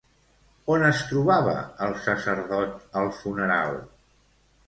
On es trobava el sacerdot al funeral?